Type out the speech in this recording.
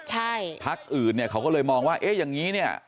ใช่พักอื่นเนี่ยเขาก็เลยมองว่าเอ๊ะอย่างนี้เนี่ย